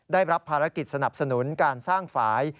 ได้รับภารกิจสนับสนุนการสร้างฝ่าย